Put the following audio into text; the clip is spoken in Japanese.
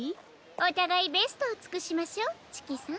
おたがいベストをつくしましょうチキさん。